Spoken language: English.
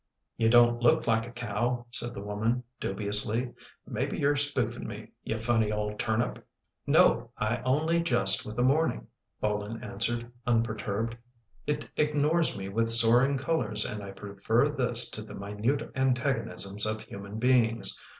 " You don't look like a cow/' said the woman, dubi ously. " Maybe you're spoofing me, you funny old turnip! "" No, I only jest with the morning/' Bolin answered, unperturbed. " It ignores me with soaring colours and I prefer this to the minute antagonisms of human beings.